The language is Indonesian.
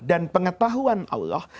dan pengetahuan allah